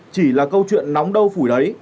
chỉ là câu chuyện nóng đau phủi đấy